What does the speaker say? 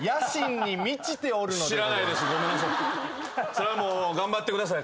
それはもう頑張ってください